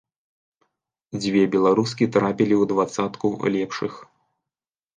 Дзве беларускі трапілі ў дваццатку лепшых.